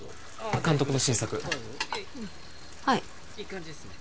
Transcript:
監督の新作はいいい感じですね